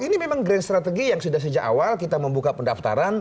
ini memang grand strategy yang sudah sejak awal kita membuka pendaftaran